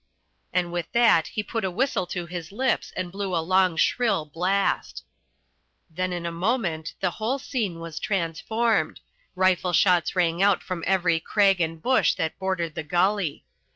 And with that he put a whistle to his lips and blew a long shrill blast. Then in a moment the whole scene was transformed. Rifle shots rang out from every crag and bush that bordered the gully.